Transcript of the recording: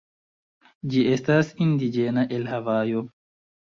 Ĝi estas indiĝena el Havajo.